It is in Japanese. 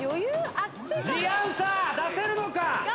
ジアンサー出せるのか！